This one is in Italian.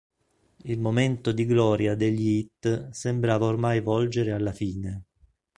Il momento di gloria degli Heat sembrava ormai volgere alla fine.